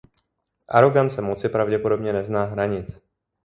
Arogance moci pravděpodobně nezná hranic.